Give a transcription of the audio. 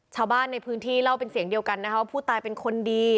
ชาวบ้านในพื้นที่เล่าเป็นเสียงเดียวกันนะคะว่าผู้ตายเป็นคนดี